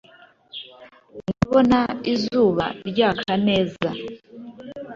Ndabona izuba ryaka neza